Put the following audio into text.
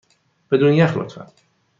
بدون یخ، لطفا.